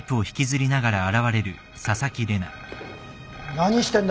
・何してんだ？